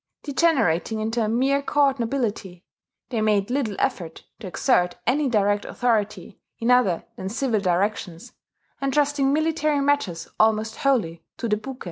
Degenerating into a mere court nobility, they made little effort to exert any direct authority in other than civil directions, entrusting military matters almost wholly to the Buke.